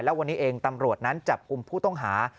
และวันนี้เองตำรวจนั้นจับกลุ่มผู้ต้องหา